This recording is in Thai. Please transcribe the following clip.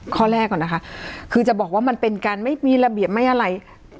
ข้อแรกก่อนนะคะคือจะบอกว่ามันเป็นการไม่มีระเบียบไม่อะไร